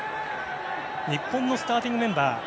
日本のスターティングメンバー。